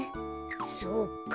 そうか。